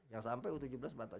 yang sampai u tujuh belas batas